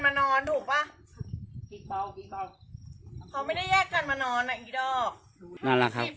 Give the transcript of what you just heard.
ใช่หญิงผิดหญิงผิดที่หญิงไม่ได้อาริมภาคหนึ่งให้พี่